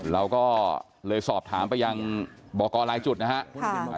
เราก็เลยสอบถามไปยังบอกกรลายจุดนะครับ